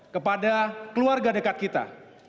kepada keluarga dekat kita